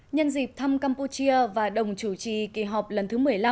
nhân dịp thăm campuchia và đồng chủ trì kỳ họp lần thứ một mươi năm